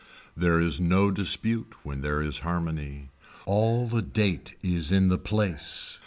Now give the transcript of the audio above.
There is no dispute when there is harmony. All the date is in the place.